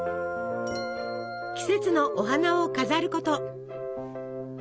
季節のお花を飾ること。